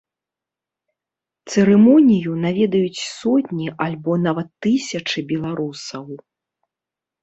Цырымонію наведаюць сотні альбо нават тысячы беларусаў.